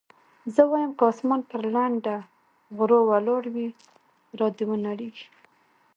زه وايم که اسمان پر لنډه غرو ولاړ وي را دې ونړېږي.